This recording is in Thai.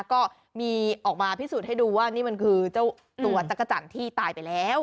ก็มีออกมาพิสูจน์ให้ดูว่านี่มันคือเจ้าตัวจักรจันทร์ที่ตายไปแล้ว